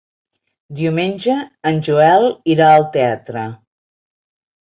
Diumenge en Joel irà al teatre.